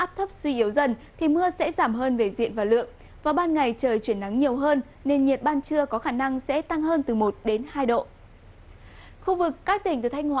phối hợp thực hiện